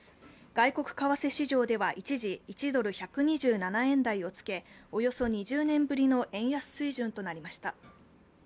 外国為替市場では一時１ドル＝１２７円台をつけおよそ２０年ぶりの円安水準となりました。